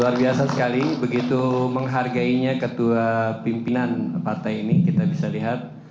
luar biasa sekali begitu menghargainya ketua pimpinan partai ini kita bisa lihat